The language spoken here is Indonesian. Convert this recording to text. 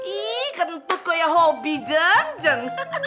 ih kentut kayak hobi jun